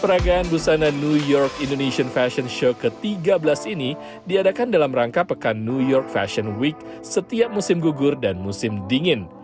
peragaan busana new york indonesian fashion show ke tiga belas ini diadakan dalam rangka pekan new york fashion week setiap musim gugur dan musim dingin